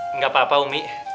enggak papa umi